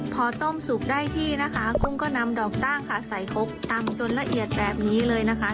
พอต้มสุกได้ที่นะคะกุ้งก็นำดอกตั้งค่ะใส่ครกตำจนละเอียดแบบนี้เลยนะคะ